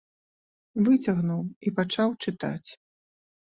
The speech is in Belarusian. Выцягнуў і пачаў чытаць.